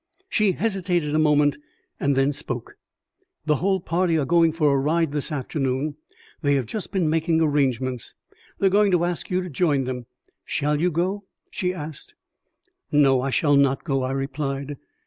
She hesitated a moment, and then spoke. "The whole party are going for a ride this afternoon. They have just been making arrangements. They are going to ask you to join them. Shall you go?" she asked. "No; I shall not go," I replied.